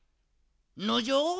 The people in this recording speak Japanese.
のじょう？